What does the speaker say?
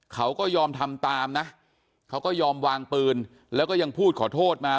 เขาก็ยอมทำตามนะเขาก็ยอมวางปืนแล้วก็ยังพูดขอโทษมา